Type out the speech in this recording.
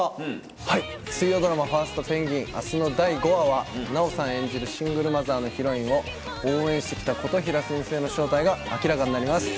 はい水曜ドラマ『ファーストペンギン！』明日の第５話は奈緒さん演じるシングルマザーのヒロインを応援して来た琴平先生の正体が明らかになります。